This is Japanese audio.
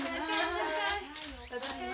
ただいま。